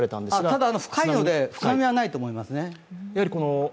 ただ、深いので津波はないと思いますね。